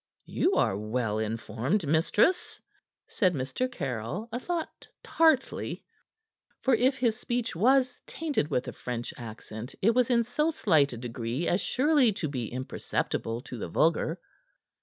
"You are well informed, mistress," said Mr. Caryll, a thought tartly, for if his speech was tainted with a French accent it was in so slight a degree as surely to be imperceptible to the vulgar.